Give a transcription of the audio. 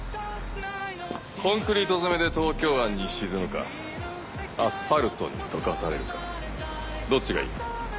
コンクリート詰めで東京湾に沈むかアスファルトに溶かされるかどっちがいい？